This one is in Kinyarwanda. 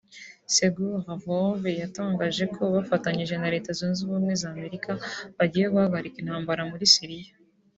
Sergueï Lavrov yatangaje ko bafatanyije na Leta Zunzwe Ubumwe za Amerika bagiye guhagarika intambara muri Siriya